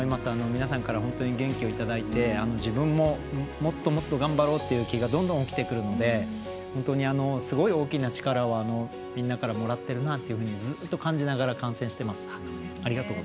皆さんから元気をいただいて自分ももっともっと頑張ろうっていう気がどんどん起きてくるので本当にすごい大きな力をみんなからもらってるなっていうふうにずっと感じながら観戦してます。